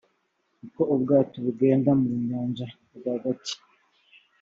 uko ubwato bugenda mu nyanja rwagati